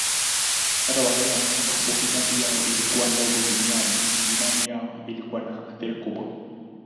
Hata wakati ambapo idadi yao ilikuwa ndogo duniani, imani yao ilikuwa na athira kubwa.